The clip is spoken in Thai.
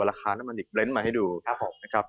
ราคาน้ำมันดิบเรนด์มาให้ดูนะครับ